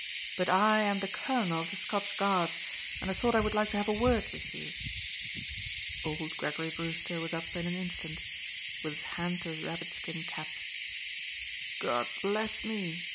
"But I am the colonel of the Scots Guards, and I thought I would like to have a word with you." Old Gregory Brewster was up in an instant, with his hand to his rabbit skin cap. "God bless me!"